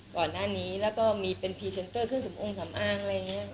ก่อนหน้านี้แล้วก็มีเป็นพรีเซนเตอร์เครื่องสำองสำอางอะไรอย่างนี้